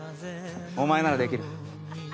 お前ならできる。